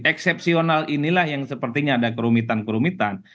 eksepsional inilah yang sepertinya ada kerumitan kerumitan